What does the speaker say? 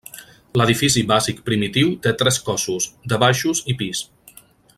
L'edifici bàsic primitiu té tres cossos, de baixos i pis.